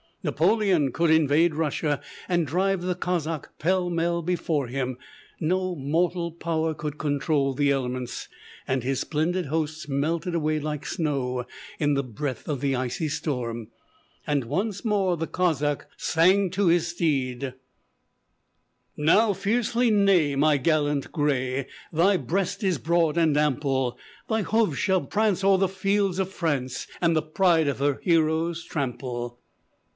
Napoleon could invade Russia, and drive the Cossack pell mell before him; no mortal power could control the elements; and his splendid hosts melted away like snow in the breath of the icy storm; and once more the Cossack sang to his steed: "Now fiercely neigh, my gallant gray; thy breast is broad and ample. Thy hoofs shall prance o'er the fields of France and the pride of her heroes trample."